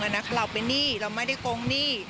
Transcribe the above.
ถูกต้องนะคะเราเป็นหนี้เราไม่ได้โกงหนี้